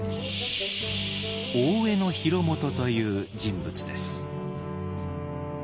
大江広元という人物です。